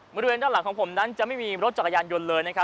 บริเวณด้านหลังของผมนั้นจะไม่มีรถจักรยานยนต์เลยนะครับ